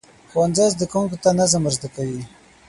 ښوونځی زده کوونکو ته نظم ورزده کوي.